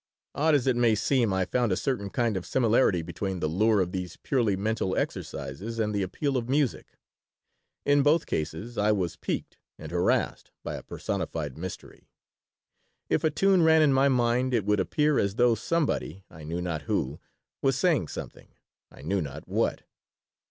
Odd as it may seem, I found a certain kind of similarity between the lure of these purely mental exercises and the appeal of music. In both cases I was piqued and harassed by a personified mystery. If a tune ran in my mind it would appear as though somebody, I knew not who, was saying something, I knew not what.